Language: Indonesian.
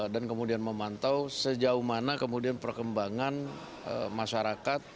dan kemudian memantau sejauh mana kemudian perkembangan masyarakat